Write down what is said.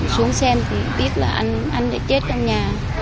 xuống xem thì biết là anh lại chết trong nhà